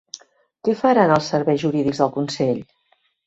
Què faran els serveis jurídics del Consell?